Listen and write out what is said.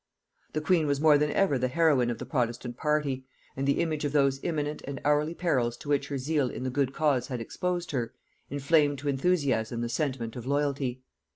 The queen was more than ever the heroine of the protestant party; and the image of those imminent and hourly perils to which her zeal in the good cause had exposed her, inflamed to enthusiasm the sentiment of loyalty.